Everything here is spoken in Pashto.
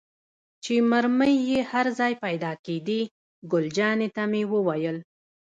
چې مرمۍ یې هر ځای پيدا کېدې، ګل جانې ته مې وویل.